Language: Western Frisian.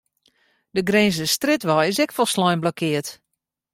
De Grinzerstrjitwei is ek folslein blokkeard.